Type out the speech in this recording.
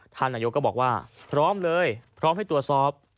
ท่านนายกก็บอกว่าพร้อมเลยพร้อมให้ตรวจสอบ